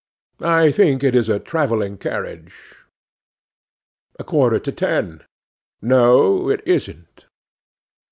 I think it is a travelling carriage.' 'A quarter to ten. 'NO, it isn't.